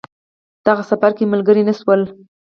دغه سفر کې ملګري نه شول.